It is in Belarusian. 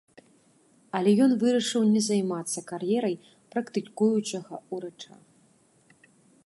Але ён вырашыў не займацца кар'ерай практыкуючага ўрача.